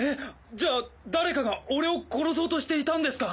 じゃあ誰かが俺を殺そうとしていたんですか？